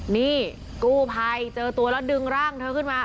นี่กู้ภัยเจอตัวแล้วดึงร่างเธอขึ้นมา